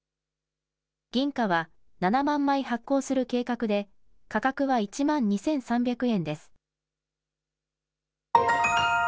銀貨は７万枚発行する計画で価格は１万２３００円です。